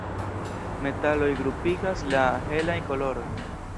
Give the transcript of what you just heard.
Metaloj grupigas la "helajn kolorojn".